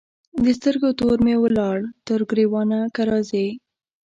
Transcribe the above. د سترګو تور مي ولاړل تر ګرېوانه که راځې